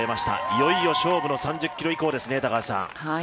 いよいよ勝負の３０ｋｍですね。